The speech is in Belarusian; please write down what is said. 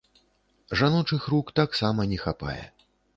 Жаночых рук таксама не хапае.